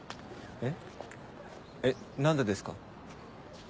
えっ何でですか？